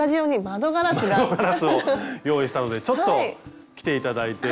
窓ガラスを用意したのでちょっと来て頂いて。